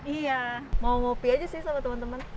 iya mau mau pergi aja sih sama temen temen